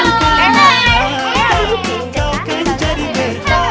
nggak apa apa pak de